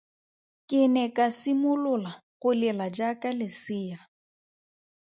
Ke ne ka simolola go lela jaaka lesea.